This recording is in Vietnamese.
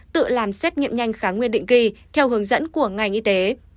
tự làm xét nghiệm nhanh kháng nguyên định kỳ theo hướng dẫn của ngành y tế